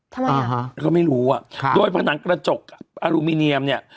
ทำไมอ่าฮะแล้วก็ไม่รู้อ่ะค่ะโดยผนังกระจกอลูมิเนียมเนี้ย